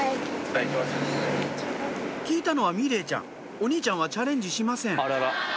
聞いたのは美玲ちゃんお兄ちゃんはチャレンジしません